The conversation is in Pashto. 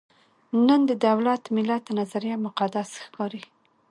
نن د دولت–ملت نظریه مقدس ښکاري.